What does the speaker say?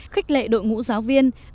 khách lệ đội ngũ giáo viên